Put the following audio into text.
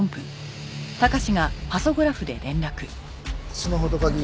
スマホと鍵